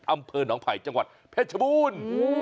อำเภอน้องภัยจังหวัดเพชรบูน